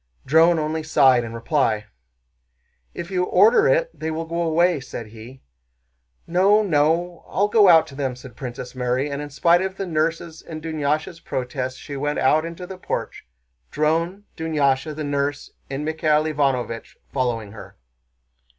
Dron only sighed in reply. "If you order it they will go away," said he. "No, no. I'll go out to them," said Princess Mary, and in spite of the nurse's and Dunyásha's protests she went out into the porch; Dron, Dunyásha, the nurse, and Michael Ivánovich following her.